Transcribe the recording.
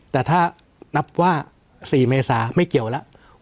แต่ถ้านับว่า๔เมษาไม่เกี่ยวแล้ว